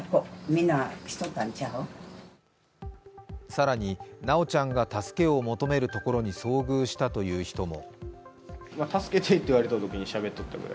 更に、修ちゃんが助けを求めるところに遭遇したという人も。